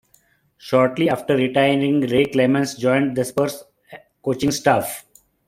Shortly after retiring Ray Clemence joined the Spurs coaching staff.